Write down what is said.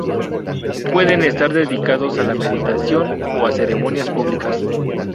Pueden estar dedicados a la meditación, o a ceremonias públicas.